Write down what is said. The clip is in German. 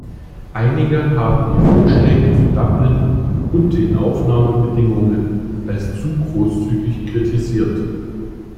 Einige haben die Vorschläge zu Dublin und den Aufnahmebedingungen als zu großzügig kritisiert.